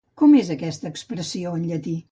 Com és aquesta expressió en llatí?